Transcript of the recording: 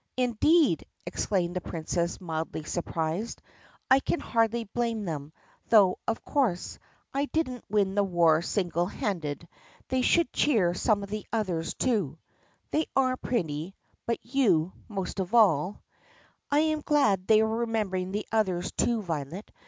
"Indeed!" exclaimed the Princess mildly surprised. "I can hardly blame them; though, of course, I didn't win the war single handed. They should cheer some of the others, too." "They are, Prinny, but you most of all." THE PUSSYCAT PRINCESS 152 "I am glad they are remembering the others, too, Violet.